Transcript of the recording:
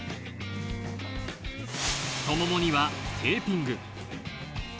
太ももにはテーピング。